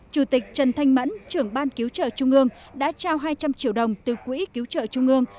chủ tịch trần thanh mẫn trưởng ban cứu trợ trung ương đã trao hai trăm linh triệu đồng từ quỹ cứu trợ trung ương